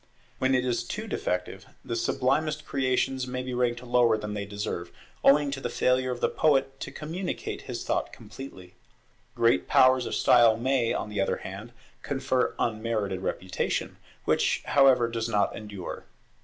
When it is too defective, the sublimest creations may be ranked lower than they deserve, owing to the failure of the poet to communicate his thought completely. Great powers of style may, on the other hand, confer unmerited reputation, which however does not endure.